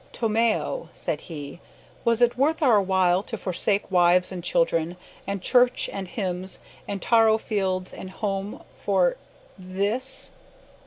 "Tomeo," said he, "was it worth our while to forsake wives and children, and church, and hymns, and taro fields, and home for th this?"